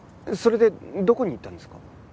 それでどこに行ったんですか？